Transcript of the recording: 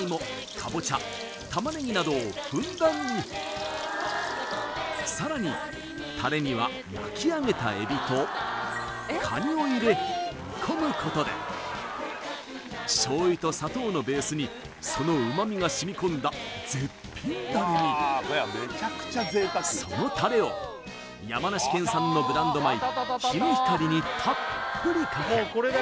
カボチャ玉ねぎなどをふんだんにさらにタレには焼き上げた海老とカニを入れ煮込むことで醤油と砂糖のベースにその旨みが染み込んだ絶品ダレにそのタレを山梨県産のブランド米ヒノヒカリにたっぷりかけ